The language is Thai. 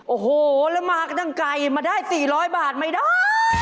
โอ้โหแล้วมากันตั้งไกลมาได้๔๐๐บาทไม่ได้